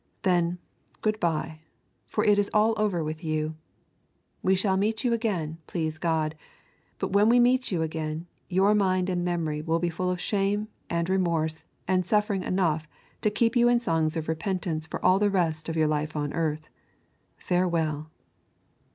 Then, good bye. For it is all over with you. We shall meet you again, please God; but when we meet you again, your mind and memory will be full of shame and remorse and suffering enough to keep you in songs of repentance for all the rest of your life on earth. Farewell!